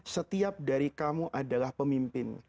setiap dari kamu adalah pemimpin